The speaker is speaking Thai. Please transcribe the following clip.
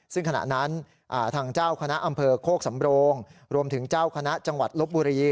ซึ่งขณะนั้นทางเจ้าคณะอำเภอโคกสำโรงรวมถึงเจ้าคณะจังหวัดลบบุรี